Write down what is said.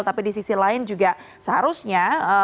tapi di sisi lain juga seharusnya